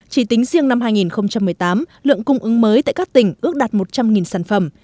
chỉ tính riêng năm hai nghìn một mươi tám lượng cung ứng mới tại các tỉnh ước đạt một trăm linh sản phẩm